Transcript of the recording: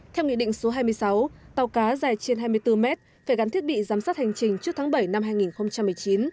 theo nghị định số hai mươi sáu tàu cá dài trên hai mươi bốn mét phải gắn thiết bị giám sát hành trình trước tháng bảy năm hai nghìn một mươi chín